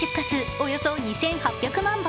およそ２８００万本。